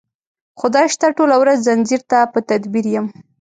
خدای شته ټوله ورځ ځنځیر ته په تدبیر یم